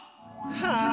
はあ。